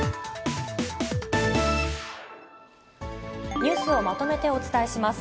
ニュースをまとめてお伝えします。